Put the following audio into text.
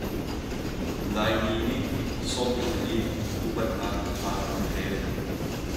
Laimi nih sawmtuk hi upatnak ah an rel.